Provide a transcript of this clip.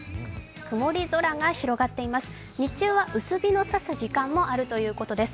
曇り空が広がっています。